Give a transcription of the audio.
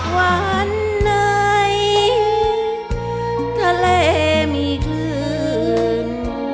วันไหนทะเลมีคลื่น